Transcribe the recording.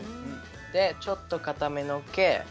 ちょっと、かための毛。